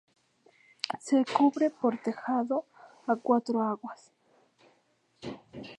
Se cubre por tejado a cuatro aguas.